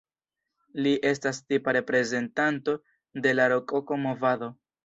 Li estas tipa reprezentanto de la rokoko-movado.